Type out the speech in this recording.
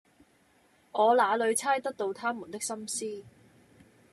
我那裏猜得到他們的心思，